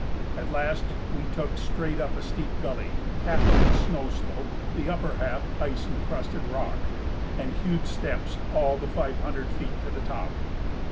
At last we took straight up a steep gully, half of it snow slope, the upper half ice incrusted rock, and hewed steps all the five hundred feet to the top.